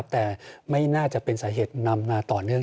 แต่ไม่น่าจะเป็นสาเหตุนำมาต่อเนื่อง